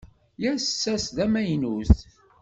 Yas ass d amaynut.